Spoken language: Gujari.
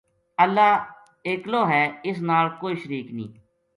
اللہ ایلو ہے اس نال کوئی شریک نییہ